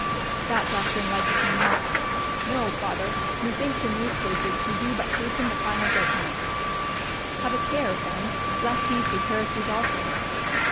"That doctrine liketh me not; no, Father, methinks in these cases we do but hasten the final judgment." "Have a care, friend, lest these be heresies also."